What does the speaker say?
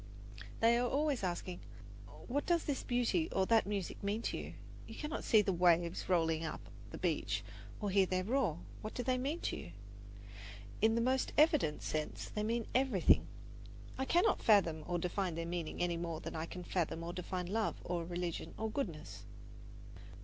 They are always asking: "What does this beauty or that music mean to you? You cannot see the waves rolling up the beach or hear their roar. What do they mean to you?" In the most evident sense they mean everything. I cannot fathom or define their meaning any more than I can fathom or define love or religion or goodness.